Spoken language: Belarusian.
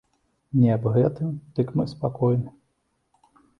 Не, аб гэтым дык мы спакойны.